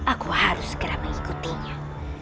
aku harus segera mengikutinya